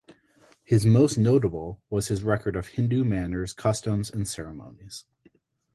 His most notable was his record of "Hindu manners, customs and ceremonies".